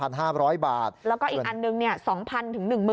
แล้วก็อีกอันหนึ่ง๒๐๐๐บาทถึง๑๐๐๐๐บาท